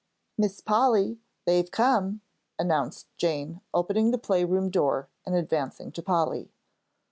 "Miss Polly, they've come," announced Jane, opening the playroom door, and advancing to Polly.